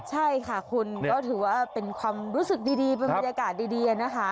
ใช่ค่ะคุณก็ถือว่าเป็นความรู้สึกดีเป็นบรรยากาศดีนะคะ